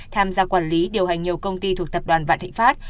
tham gia quản lý điều hành nhiều công ty thuộc tập đoàn vạn thịnh pháp